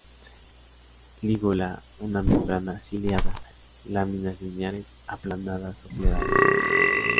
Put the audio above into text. Lígula una membrana ciliada; láminas lineares, aplanadas o plegadas.